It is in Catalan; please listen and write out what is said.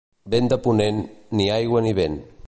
Vent de ponent, ni aigua ni vent.